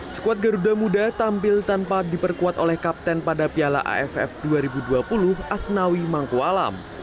skuad garuda muda tampil tanpa diperkuat oleh kapten pada piala aff dua ribu dua puluh asnawi mangkualam